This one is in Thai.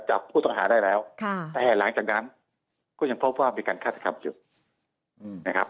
จับผู้ต้องหาได้แล้วแต่หลังจากนั้นก็ยังพบว่ามีการฆาตกรรมอยู่นะครับ